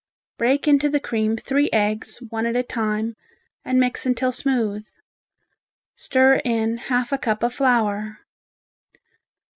Break into the cream three eggs, one at a time, and mix until smooth. Stir in half a cup of flour.